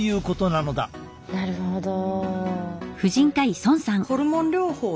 なるほど。